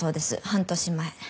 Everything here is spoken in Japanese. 半年前。